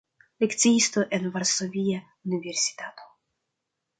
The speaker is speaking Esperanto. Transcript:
Lekciisto en Varsovia Universitato.